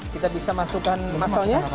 kita bisa masukkan muscle nya